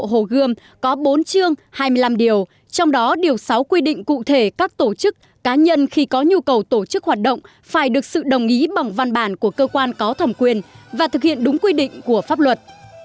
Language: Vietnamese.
hồ gươm có bốn chương hai mươi năm điều trong đó điều sáu quy định cụ thể các tổ chức cá nhân khi có nhu cầu tổ chức hoạt động phải được sự đồng ý bằng văn bản của cơ quan có thẩm quyền và thực hiện đúng quy định của pháp luật